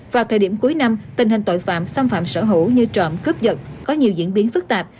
vào thời điểm cuối năm tình hình tội phạm xâm phạm sở hữu như trộm cướp dật có nhiều diễn biến phức tạp